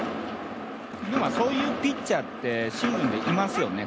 そういうピッチャーってシーズンでいますよね。